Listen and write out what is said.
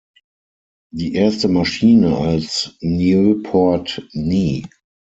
Die erste Maschine, als Nieuport Nie.